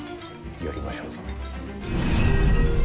やりましょうぞ。